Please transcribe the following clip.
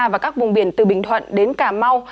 và các vùng biển từ bình thuận đến cà mau